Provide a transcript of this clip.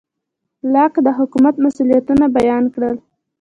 لاک د حکومت مسوولیتونه بیان کړل.